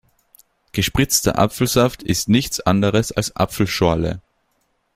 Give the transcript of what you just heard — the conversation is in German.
Gespritzter Apfelsaft ist nichts anderes als Apfelschorle.